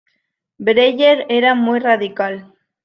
Breyer era más radical.